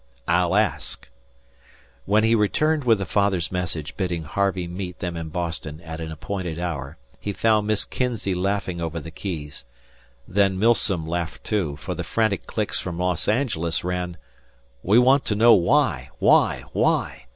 "I'll ask." When he returned with the father's message bidding Harvey meet them in Boston at an appointed hour, he found Miss Kinzey laughing over the keys. Then Milsom laughed too, for the frantic clicks from Los Angeles ran: "We want to know why why why?